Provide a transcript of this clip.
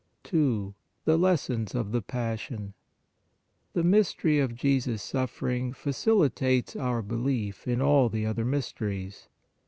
2. THE LESSONS OF THE PASSION. The mystery of Jesus suffering facilitates our belief in all the other mysteries.